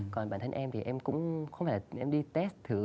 còn bản thân em thì em cũng không phải là em đi test thử